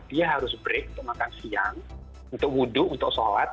dia harus break untuk makan siang untuk wudhu untuk sholat